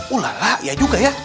ulah lah ya juga ya